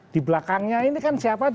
di belakangnya ini kan siapa